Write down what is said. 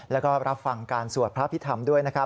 แล้วก็รับฟังการสวดพระพิธรรมด้วยนะครับ